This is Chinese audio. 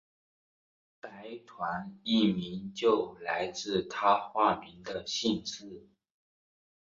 白团一名就来自他化名的姓氏。